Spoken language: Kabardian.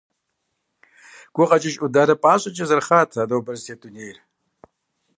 Гукъэкӏыж ӏуданэ пӏащӏэкӏэ зэрыхъат ар нобэ зытет дунейр.